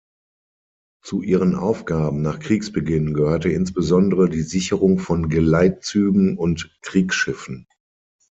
Zu ihren Aufgaben nach Kriegsbeginn gehörte insbesondere die Sicherung von Geleitzügen und Kriegsschiffen.